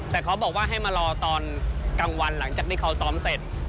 แต่เขาบอกว่าให้มารอตอนกลางวันหลังจากที่เขาซ้อมเสร็จ